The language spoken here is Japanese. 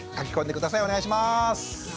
お願いします。